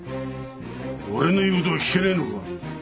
俺の言う事が聞けねえのか！